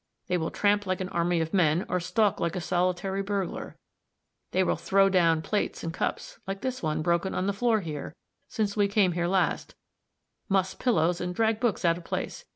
They will tramp like an army of men, or stalk like a solitary burglar. They will throw down plates and cups like this one, broken on the floor here, since we came here last; muss pillows and drag books out of place.